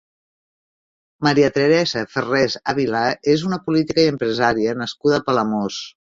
Maria Teresa Ferrés Àvila és una política i empresària nascuda a Palamós.